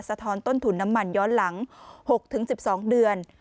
ท้อนต้นทุนน้ำมันย้อนหลัง๖๑๒เดือน